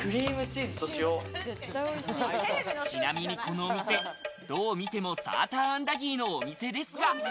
ちなみにこのお店、どう見てもサーターアンダギーのお店ですが。